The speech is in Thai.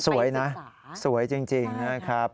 สวยนะสวยจริงนะครับ